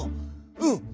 うん」。